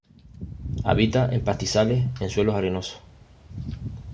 Habita en pastizales, en suelos arenosos.